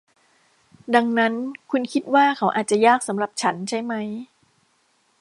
ดังนั้นคุณคิดว่าเขาอาจจะยากสำหรับฉันใช่มั้ย